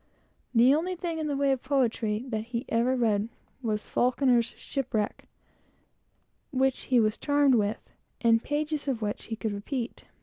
The only thing in the way of poetry that he ever read was Falconer's Shipwreck, which he was delighted with, and whole pages of which he could repeat.